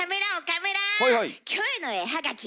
キョエの絵はがき